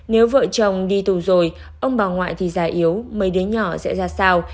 nếu vợ chồng đi tù rồi ông bà ngoại thì già yếu mấy đứa nhỏ sẽ ra sao